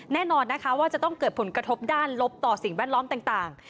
แน่นอนนะคะว่าจะต้องเกิดผลกระทบด้านลบต่อสิ่งแวดล้อมต่าง